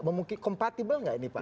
memungkit kompatibel nggak ini pak